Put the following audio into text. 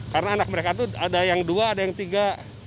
karena anak mereka itu ada yang dua ada yang tiga